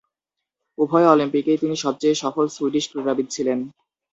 উভয় অলিম্পিকেই তিনি সবচেয়ে সফল সুইডিশ ক্রীড়াবিদ ছিলেন।